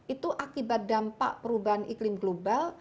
itu akibat dampak perubahan iklim global